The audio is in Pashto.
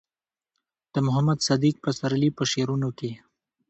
د محمد صديق پسرلي په شعرونو کې